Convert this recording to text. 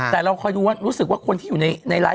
แต่เราคอยดูว่ารู้สึกว่าคนที่อยู่ในไลฟ์